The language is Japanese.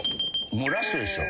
もうラストですよ。